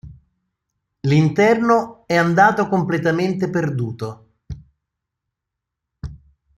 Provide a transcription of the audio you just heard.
L'interno è andato completamente perduto.